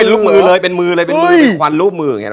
ลูกมือเลยเป็นมือเลยเป็นมือเป็นควันรูปมืออย่างนี้ห